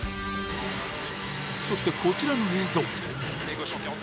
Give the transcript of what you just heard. そして、こちらの映像。